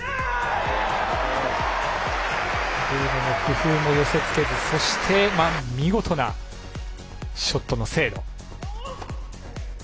ルーネの工夫も寄せつけず見事なショットの精度。